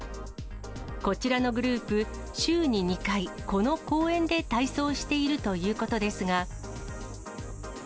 こちらのグループ、週に２回、この公園で体操しているということですが。